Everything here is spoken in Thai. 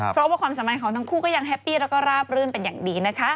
เพราะว่าความสัมพันธ์ของทั้งคู่ก็ยังแฮปปี้แล้วก็ราบรื่นเป็นอย่างดีนะคะ